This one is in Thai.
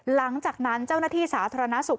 หลังจากนั้นเจ้าหน้าที่สาธารณสุข